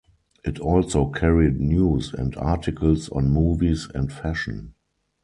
It also carried news and articles on movies and fashion.